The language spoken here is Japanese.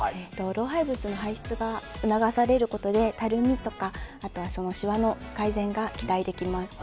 老廃物の排出が促されることでたるみとか、あとはシワの改善が期待されます。